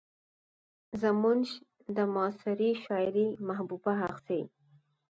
زموږ د معاصرې شاعرۍ محبوبه هغسې